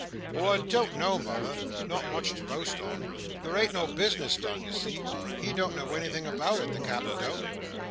"Well, I don't know, mother; not much to boast on. There ain't no bis'ness done, you see. He don't know anything about it—the Cap'en don't.